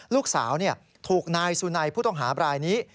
ลูกสาวถูกนายสุนัยผู้ต้องหาบรายนี้